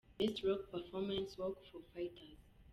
Best Rock Performance – Walk, Foo Fighters.